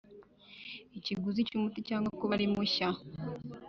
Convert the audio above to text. ikiguzi cyʼumuti cg kuba ari mushya